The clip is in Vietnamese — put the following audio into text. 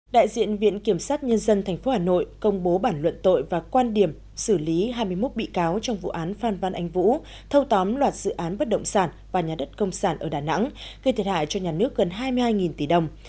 đại diện viện kiểm sát nhân dân tp hà nội công bố bản luận tội và quan điểm xử lý hai mươi một bị cáo trong vụ án phan văn anh vũ thâu tóm loạt dự án bất động sản và nhà đất công sản ở đà nẵng gây thiệt hại cho nhà nước gần hai mươi hai tỷ đồng